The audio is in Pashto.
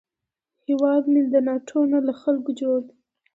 هیواد مې د ناټو نه، له خلکو جوړ دی